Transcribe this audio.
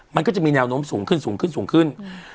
มันก็จะมีแนวโน้มสูงขึ้นสูงขึ้นสูงขึ้น